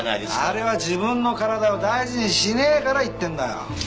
あれは自分の体を大事にしねえから言ってんだよ。